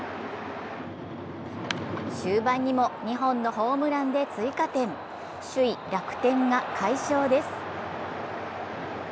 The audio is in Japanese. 終盤にも２本のホームランで追加点首位・楽天が快勝です。